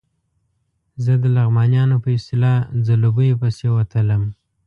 زه د لغمانیانو په اصطلاح ځلوبیو پسې وتلم.